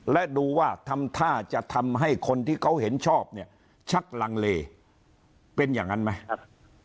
และดูว่าทำท่าจะทำให้คนที่เขาเห็นชอบเนี่ยชักลังเลเป็นอย่างนั้นไหมครับ